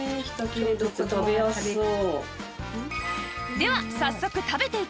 では早速食べて頂きましょう